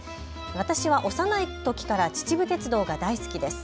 私は幼いときから秩父鉄道が大好きです。